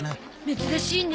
珍しいね